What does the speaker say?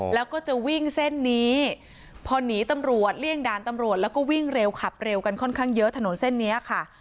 แล้วก็จะวิ่งเส้นนี้พอหนีตำรวจเลี่ยงด่านตำรวจแล้วก็วิ่งเร็วขับเร็วกันค่อนข้างเยอะถนนเส้นนี้ค่ะ